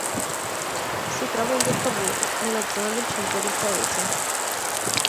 Si trova in Via Cavour, nella zona del centro del paese.